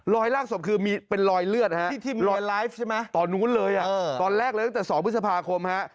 รอยลากศพคือมีเป็นรอยเลือดตอนนู้นเลยตอนแรกตั้งแต่๒พฤษภาคม